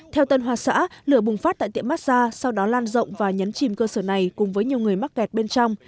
theo tân hoa xã lửa bùng phát tại tiệm mazda sau đó lan rộng và nhấn chìm cơ sở này cùng với nhiều người mắc kẹt bên trong